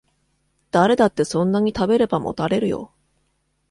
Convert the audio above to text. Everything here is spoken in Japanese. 誰だってそんなに食べればもたれるよ